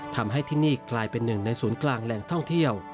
ทำให้ที่นี่กลายเป็นหนึ่งในศูนย์กลางแหล่งท่องเที่ยว